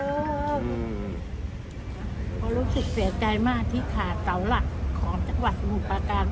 พอรู้สึกเสียใจมากที่ขายเตาหลักของจังหวัดหุวปากราน